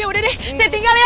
yaudah deh saya tinggal ya